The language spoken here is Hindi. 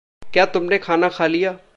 क्या तुमने खाना खा लिया?